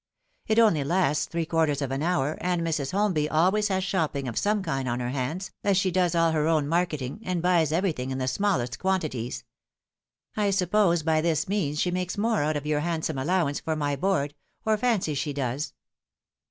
It only lasts three quarters of an hour, and Mrs. Holmby always has shopping of some kind on her hands, as she does all her own marketing, and buys everything in the smallest quantities. I suppose by this means she makes more out of your handsome allowance for my board or fancies she does."